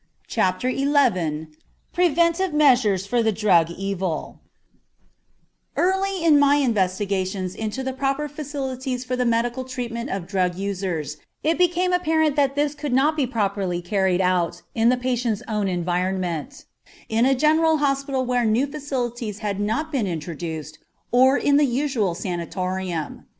CHAPTER XI PREVENTIVE MEASURES FOR THE DRUG EVIL Early in my investigations into the proper facilities for the medical treatment of drug users it became apparent that this could not be properly carried out in the patient's own environment, in a general hospital where new facilities had not been introduced, or in the usual sanatorium.